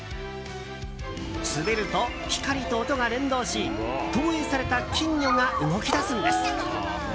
滑ると光と音が連動し投影された金魚が動き出すんです。